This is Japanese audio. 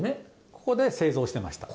ここで製造してました